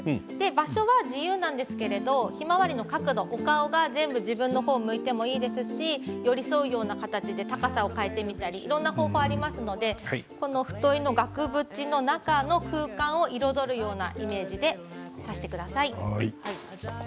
場所は自由なんですけれどヒマワリの角度、お顔が全部自分のほうに向いてもいいですし寄り添うような形で高さを変えてみたりいろんな方法がありますのでフトイの額縁の中の空間を彩るようなイメージで挿してください。